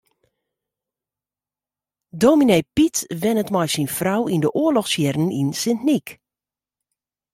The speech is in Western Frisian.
Dominee Pyt wennet mei syn frou yn de oarlochsjierren yn Sint Nyk.